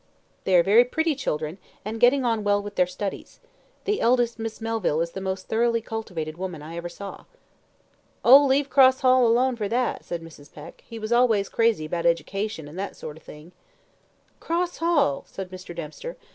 "They are very pretty children, and getting on well with their studies. The eldest Miss Melville is the most thoroughly cultivated woman I ever saw." "Oh, leave Cross Hall alone for that," said Mrs. Peck. "He was always crazy about education, and that sort of thing." "Cross Hall!" said Mr. Dempster.